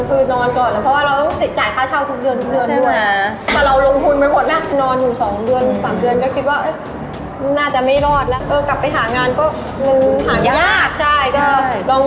คือนอนก่อน